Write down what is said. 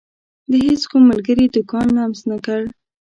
د هيڅ کوم ملګري دکان لمس نه کړ.